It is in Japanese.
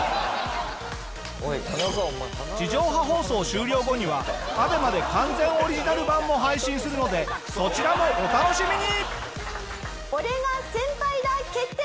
地上波放送終了後にはＡＢＥＭＡで完全オリジナル版も配信するのでそちらもお楽しみに！